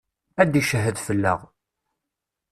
Ad d-icehhed fell-aɣ.